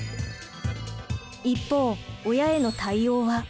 一方親への対応は。